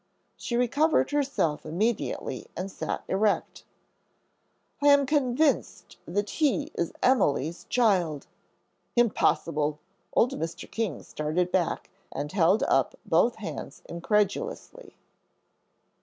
She recovered herself immediately and sat erect. "I am convinced that he is Emily's child." "Impossible!" Old Mr. King started back and held up both hands incredulously.